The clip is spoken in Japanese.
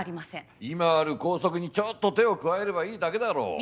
今ある校則にちょっと手を加えればいいだけだろう。